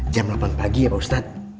jam delapan pagi ya ustadz